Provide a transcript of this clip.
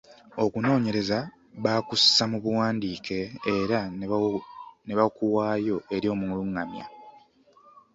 Okunoonyereza baakussa mubuwandiike era nebakuwaayo eri omulungamya.